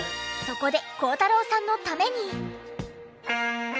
そこで孝太郎さんのために。